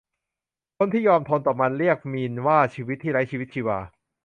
คนที่ยอมทนต่อมัน เรียกมีนว่าชีวิตที่ไร้ชีวิตชีวา